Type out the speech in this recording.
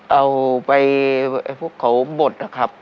เอาไปให้พวกเขาบดครับครับ